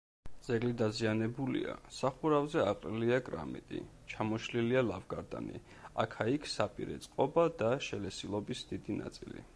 ძეგლი დაზიანებულია: სახურავზე აყრილია კრამიტი, ჩამოშლილია ლავგარდანი, აქა-იქ საპირე წყობა და შელესილობის დიდი ნაწილი.